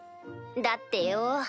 だってよ。